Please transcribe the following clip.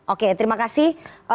oke terima kasih